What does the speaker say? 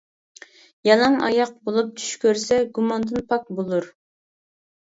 يالاڭ ئاياق بولۇپ چۈش كۆرسە گۇماندىن پاك بولۇر.